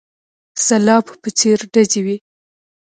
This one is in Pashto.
سلاب په څېر ډزې وې.